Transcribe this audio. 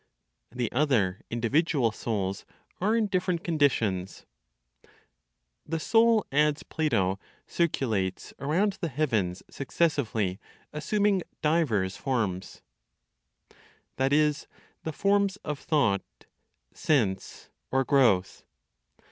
The other (individual) souls are in different conditions. "The Soul (adds Plato), circulates around the heavens successively assuming divers forms"; that is, the forms of thought, sense or growth.